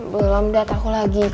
belum dad aku lagi